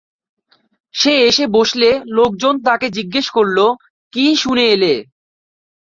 সে এসে বসলে লোকজন তাকে জিজ্ঞেস করলো: কি শুনে এলে।